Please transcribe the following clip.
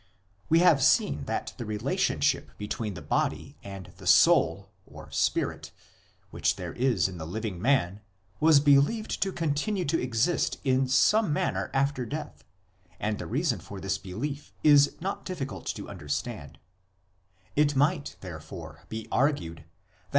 We have seen that the relationship between the body and the soul (spirit) which there is in the living man was believed to continue to exist in some manner after death and the reason for this belief is not difficult to understand ; it might, therefore, be argued that the 1 Quoted by F.